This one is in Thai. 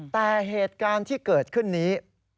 แต่เหตุการณ์ที่เกิดขึ้นนี้